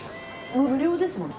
無料ですもんね。